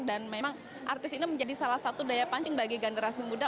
dan memang artis ini menjadi salah satu daya pancing bagi generasi muda